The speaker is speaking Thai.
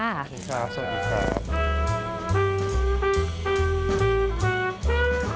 ขอบคุณค่ะสวัสดีค่ะ